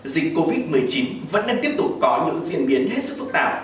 dịch covid một mươi chín vẫn đang tiếp tục có những diễn biến hết sức phức tạp